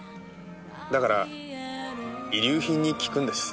だから遺留品に聞くんです。